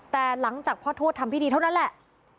แต่หลังจากพ่อทวดทำพิธีเท่านั้นแหละ